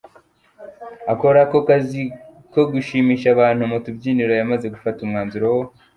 akora aka kazi ko gushimisha abantu mu tubyiniro, yamaze gufata umwanzuro wo.